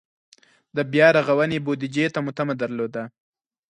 د بیا رغونې بودجې ته مو تمه درلوده.